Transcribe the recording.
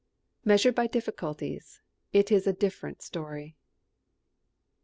Measured by difficulties, it is a different story.